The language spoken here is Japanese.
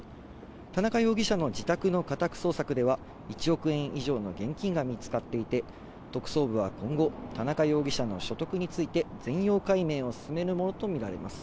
田中容疑者の自宅の家宅捜索では、１億円以上の現金が見つかっていて、特捜部は今後、田中容疑者の所得について全容解明を進めるものと見られます。